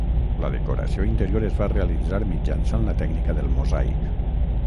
La decoració interior es va realitzar mitjançant la tècnica del mosaic.